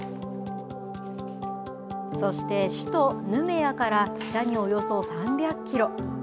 そして首都ヌメアから北におよそ３００キロ。